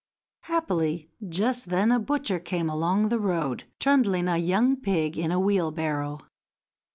Happily, just then a butcher came along the road, trundling a young pig in a wheelbarrow.